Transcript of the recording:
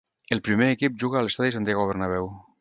El primer equip juga a l'estadi Santiago Bernabéu.